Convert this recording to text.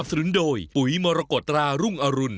พ่อพ่อยังบ่ตายแม่งก็